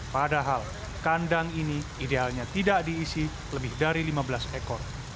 padahal kandang ini idealnya tidak diisi lebih dari lima belas ekor